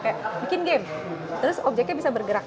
kayak bikin game terus objeknya bisa bergerak